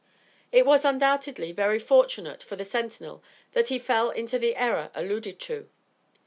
It was, undoubtedly, very fortunate for the sentinel that he fell into the error alluded to.